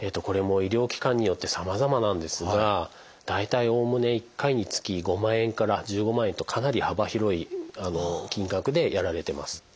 これも医療機関によってさまざまなんですが大体おおむね１回につき５万円から１５万円とかなり幅広い金額でやられてます。